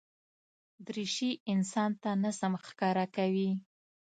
دریشي انسان ته نظم ښکاره کوي.